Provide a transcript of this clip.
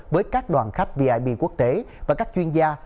với các đoàn khách vip quốc tế và các chuyên gia